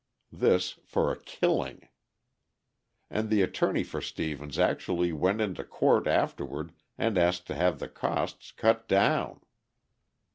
This for a killing. And the attorney for Stevens actually went into court afterward and asked to have the costs cut down.